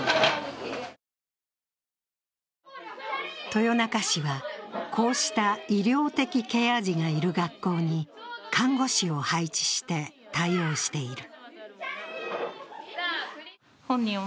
豊中市は、こうした医療的ケア児がいる学校に看護師を配置して対応している。